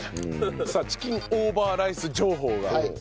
さあチキンオーバーライス情報が。